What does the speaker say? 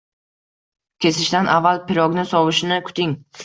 Kesishdan avval pirogni sovishini kuting